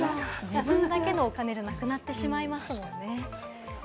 自分だけのお金じゃなくなってしまいますもんね。